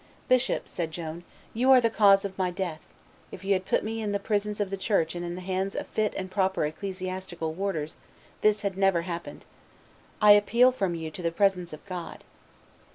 "Bishop," said Joan, "you are the cause of my death; if you had put me in the prisons of the Church and in the hands of fit and proper ecclesiastical warders, this had never happened; I appeal from you to the presence of God."